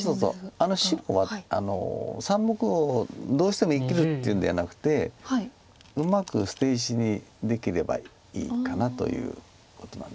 あの白は３目をどうしても生きるっていうんではなくてうまく捨て石にできればいいかなということなんですよね。